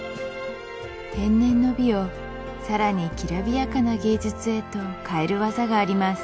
天然の美を更にきらびやかな芸術へと変える技があります